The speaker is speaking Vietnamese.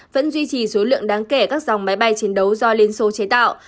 vẫn duy trì số lượng đáng kể các dòng máy bay chiến đấu do liên xô chế tạo